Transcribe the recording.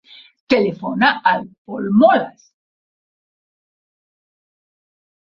Telefona al Pol Moles.